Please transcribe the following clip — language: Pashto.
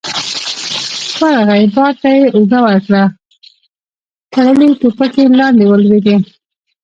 ورغی، بار ته يې اوږه ورکړه، تړلې ټوپکې لاندې ولوېدې.